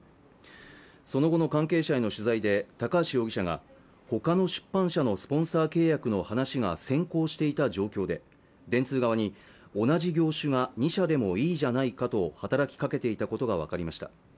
その後の関係者への取材で高橋容疑者がほかの出版社のスポンサー契約の話が先行していた状況で電通側に同じ業種が２社でもいいじゃないかと働きかけていたことが分かりました